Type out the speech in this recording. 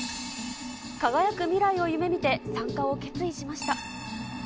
輝く未来を夢みて参加を決意しました。